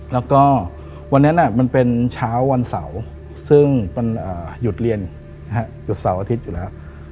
แล้วก็วันนั้นมันเป็นเช้าวันเสาร์ซึ่งมันหยุดเรียนหยุดเสาร์อาทิตย์อยู่แล้ว